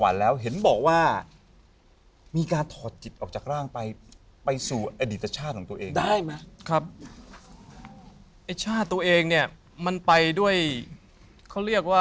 เราโอเคเราได้